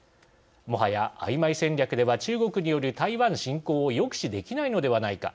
もはや、あいまい戦略では中国による台湾侵攻を抑止できないのではないか。